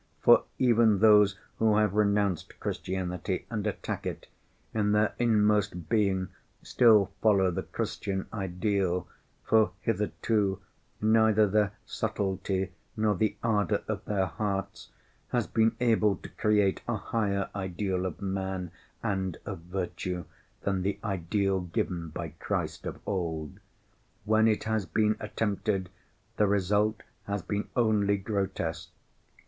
For even those who have renounced Christianity and attack it, in their inmost being still follow the Christian ideal, for hitherto neither their subtlety nor the ardor of their hearts has been able to create a higher ideal of man and of virtue than the ideal given by Christ of old. When it has been attempted, the result has been only grotesque.